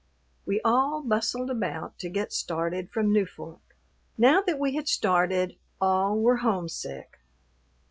We all bustled about to get started from Newfork. Now that we had started, all were homesick.